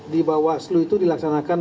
di bawaslu itu dilaksanakan